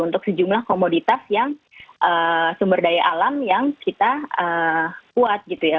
untuk sejumlah komoditas yang sumber daya alam yang kita kuat gitu ya